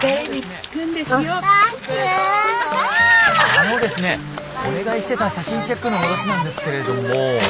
あのですねお願いしてた写真チェックの戻しなんですけれども。